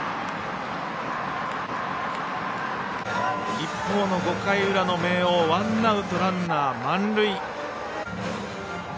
一方の５回裏の明桜ワンアウト、ランナー満塁。